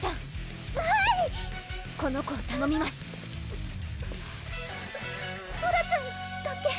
この子をたのみますソソラちゃんだっけ？